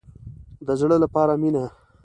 د زړه لپاره مینه.